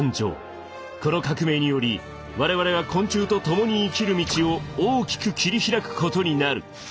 この革命により我々は昆虫と共に生きる道を大きく切り開くことになる。